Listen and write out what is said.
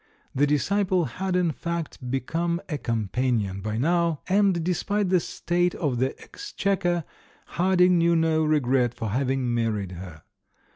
The disciple had, in fact, become a companion by now, and, despite the state of the exchequer, Harding knew no regret for having married her.